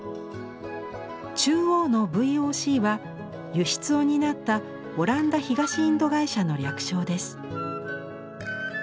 中央の「ＶＯＣ」は輸出を担ったオランダ東インド会社の略称です。